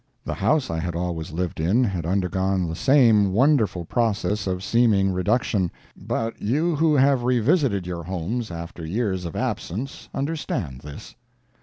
The house I had always lived in had undergone the same wonderful process of seeming reduction. But you who have revisited your homes, after years of absence, understand this.